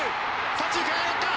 左中間へ上がった！